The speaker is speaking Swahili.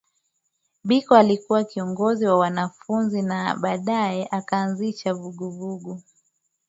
Biko alikuwa kiongozi wa wanafunzi na baadaye akaanzisha vuguvugu